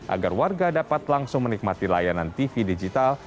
agar warga dapat langsung menikmati layanan tv digital